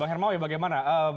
bang hermaw ya bagaimana